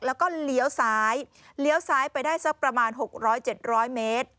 แล้วก็เลี้ยวซ้ายเลี้ยวซ้ายไปได้สักประมาณ๖๐๐๗๐๐เมตร